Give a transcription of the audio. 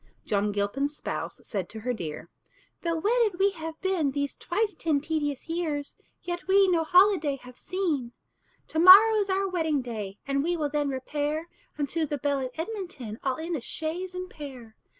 John Gilpin's spouse said to her dear, "Though wedded we have been These twice ten tedious years, yet we No holiday have seen. "To morrow is our wedding day, And we will then repair Unto the Bell at Edmonton All in a chaise and pair.